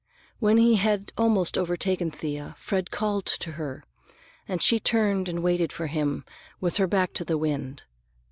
When he had almost overtaken Thea, Fred called to her, and she turned and waited for him with her back to the wind.